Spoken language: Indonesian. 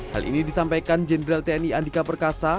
hal ini disampaikan jenderal tni andika perkasa